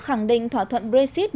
đã khẳng định thỏa thuận brexit